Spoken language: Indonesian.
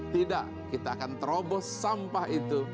tidak kita akan terobos sampah itu